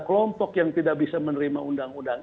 kelompok yang tidak bisa menerima undang undang